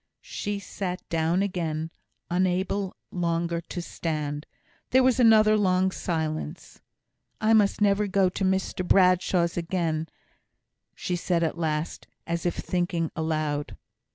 She sat down again, unable longer to stand. There was another long silence. "I must never go to Mr Bradshaw's again," she said at last, as if thinking aloud.